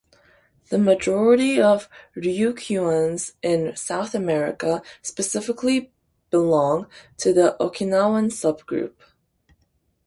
The majority of Ryukyuans in South America specifically belong to the Okinawan subgroup.